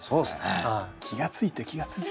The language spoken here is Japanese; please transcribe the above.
気が付いて気が付いて。